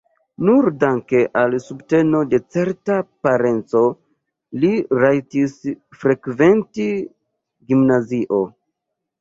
Nur danke al subteno de certa parenco li rajtis frekventi gimnazion.